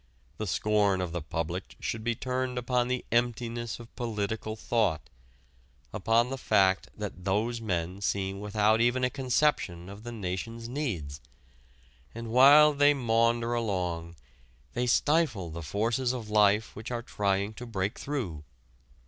The scorn of the public should be turned upon the emptiness of political thought, upon the fact that those men seem without even a conception of the nation's needs. And while they maunder along they stifle the forces of life which are trying to break through.